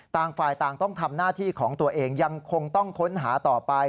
ต่างฝ่ายต่างต้องทำหน้าที่ของตัวเองยังคงต้องค้นหาต่อไป